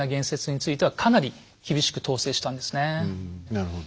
なるほど。